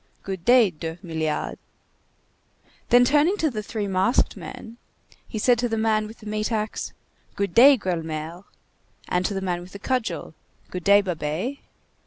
good day, Deuxmilliards!" Then turning to the three masked men, he said to the man with the meat axe:— "Good day, Gueulemer!" And to the man with the cudgel:— "Good day, Babet!"